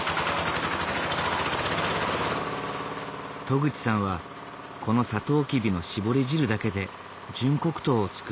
渡久地さんはこのサトウキビの搾り汁だけで純黒糖を作る。